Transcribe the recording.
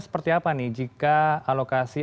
seperti apa nih jika alokasi